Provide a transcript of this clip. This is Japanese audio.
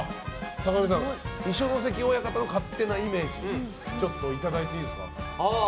坂上さん、二所ノ関親方の勝手なイメージをいただいていいですか。